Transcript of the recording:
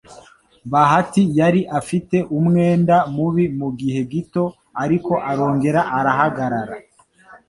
Bahati yari afite umwenda mubi mugihe gito, ariko arongera arahagarara.